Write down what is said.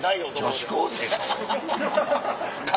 女子高生か！